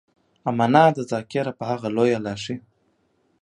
امنا ده ذاکره په هغه لويه لاښي.